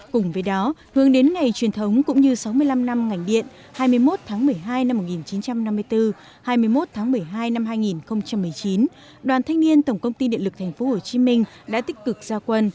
cùng với đó hướng đến ngày truyền thống cũng như sáu mươi năm năm ngành điện hai mươi một tháng một mươi hai năm một nghìn chín trăm năm mươi bốn hai mươi một tháng một mươi hai năm hai nghìn một mươi chín đoàn thanh niên tổng công ty điện lực tp hcm đã tích cực gia quân